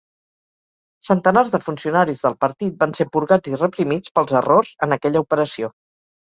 Centenars de funcionaris del partit van ser purgats i reprimits pels errors en aquella operació.